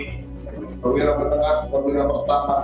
perubahan menengah perubahan pertama